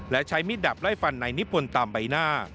และใช้มีดดับไล่ฟันนายนิพนธ์ตามใบหน้า